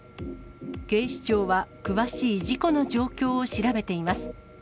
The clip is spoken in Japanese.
警視庁は、詳しい事故の状況を調べています。